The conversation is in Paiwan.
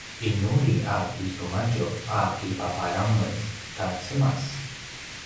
’inuli a kisumadju a kipaparangez ta cemas